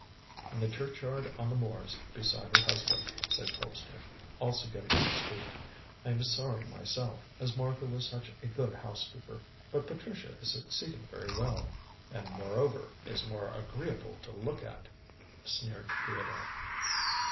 "In the churchyard on the moors, beside her husband," said Colpster, also getting on his feet. "I am sorry myself, as Martha was such a good housekeeper. But Patricia is succeeding very well." "And, moreover, is more agreeable to look at," sneered Theodore.